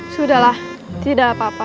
kiranya tidak dipakai